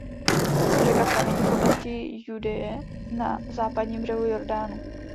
Řeka pramení v oblasti Judeje na Západním břehu Jordánu.